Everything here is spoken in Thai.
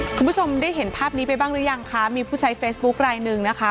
คุณผู้ชมได้เห็นภาพนี้ไปบ้างหรือยังคะมีผู้ใช้เฟซบุ๊คลายหนึ่งนะคะ